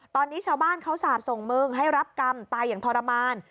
ตอนนี้ชาวบ้านเขาสาบส่งมึงให้รับกรรมตายอย่างทรมาน